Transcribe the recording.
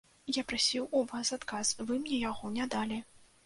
Я прасіў у вас адказ, вы мне яго не далі.